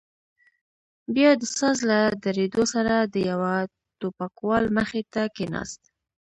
بيا د ساز له درېدو سره د يوه ټوپکوال مخې ته کښېناست.